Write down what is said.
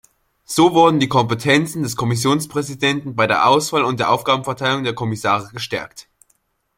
So wurden die Kompetenzen des Kommissionspräsidenten bei der Auswahl und Aufgabenverteilung der Kommissare gestärkt.